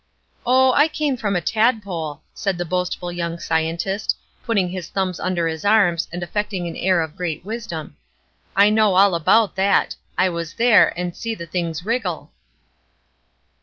"Oh, I came from a tadpole," said the boastful young scientist, putting his thumbs under his arms, and affecting an air of great wisdom. "I know all about that; I was there, and see the things wriggle."